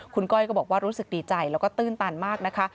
คุณก้อยก็บอกว่ารู้สึกดีใจแล้วก็ตื้นตันมากนะคะ